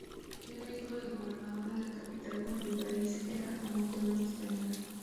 Era hijo del gobernador de la capital cuando el país era aún colonia española.